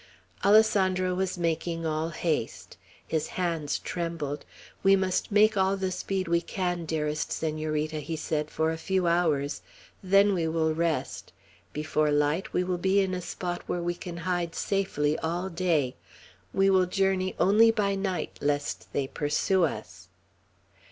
Alessandro was making all haste. His hands trembled. "We must make all the speed we can, dearest Senorita," he said, "for a few hours. Then we will rest. Before light, we will be in a spot where we can hide safely all day. We will journey only by night, lest they pursue us."